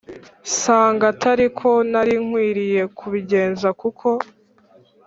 Nsanga atari ko nari nkwiriye kubigenza kuko